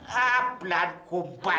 ha belahan kumpal